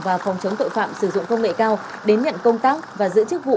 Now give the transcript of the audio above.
và phòng chống tội phạm sử dụng công nghệ cao đến nhận công tác và giữ chức vụ